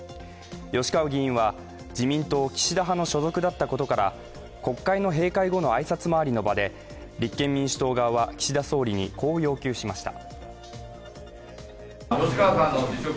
吉川議員は自民党・岸田派の所属だったことから国会の閉会後の挨拶回りの場で、立憲民主党側は岸田総理にこう、要求しました。